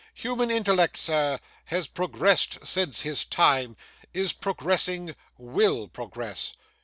'Human intellect, sir, has progressed since his time, is progressing, will progress.